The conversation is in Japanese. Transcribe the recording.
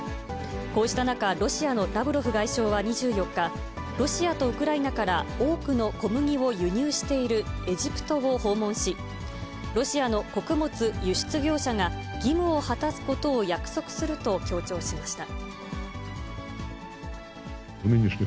こうした中、ロシアのラブロフ外相は２４日、ロシアとウクライナから多くの小麦を輸入しているエジプトを訪問し、ロシアの穀物輸出業者が義務を果たすことを約束すると強調しました。